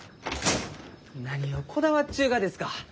何をこだわっちゅうがですか？